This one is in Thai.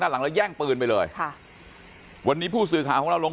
หลังแล้วแย่งปืนไปเลยค่ะวันนี้ผู้สื่อข่าวของเราลง